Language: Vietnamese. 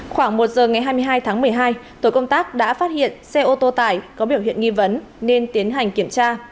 khoảng một giờ ngày hai mươi hai tháng một mươi hai tổ công tác đã phát hiện xe ô tô tải có biểu hiện nghi vấn nên tiến hành kiểm tra